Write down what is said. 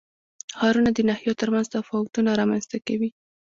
ښارونه د ناحیو ترمنځ تفاوتونه رامنځ ته کوي.